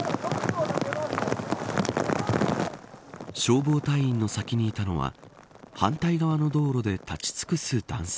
消防隊員の先にいたのは反対側の道路で立ち尽くす男性。